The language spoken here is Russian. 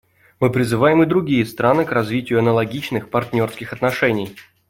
Мы призываем и другие страны к развитию аналогичных партнерских отношений.